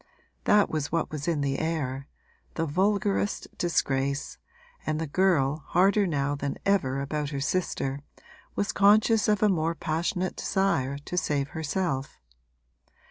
That was what was in the air the vulgarest disgrace, and the girl, harder now than ever about her sister, was conscious of a more passionate desire to save herself.